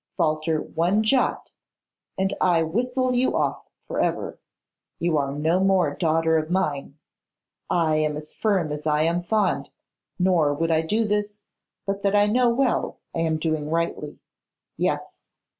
Falter one jot and I whistle you off for ever. You are no more daughter of mine. I am as firm as I am fond; nor would I do this, but that I know well I am doing rightly. Yes!